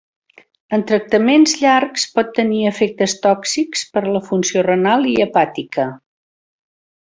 En tractaments llargs pot tenir efectes tòxics per a la funció renal i hepàtica.